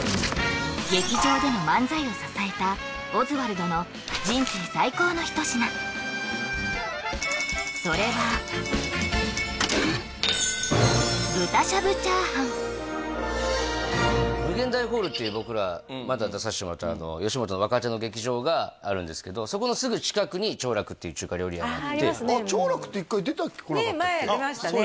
劇場での漫才を支えたオズワルドの人生最高の一品それは「∞ホール」っていう僕らまだ出さしてもらってる吉本の若手の劇場があるんですけどそこのすぐ近くに兆楽っていう中華料理屋があって兆楽って一回出てこなかったっけね